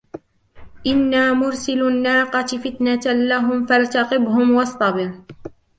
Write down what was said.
إِنَّا مُرْسِلُوا النَّاقَةِ فِتْنَةً لَّهُمْ فَارْتَقِبْهُمْ وَاصْطَبِرْ